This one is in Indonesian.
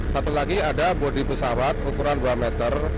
satu lagi ada bodi pesawat ukuran dua meter